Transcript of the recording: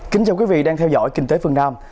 kính chào quý vị đang theo dõi kinh tế phương nam